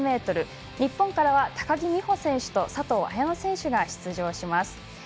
日本からは高木美帆選手と佐藤綾乃選手が出場します。